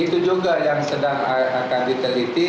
itu juga yang sedang akan diteliti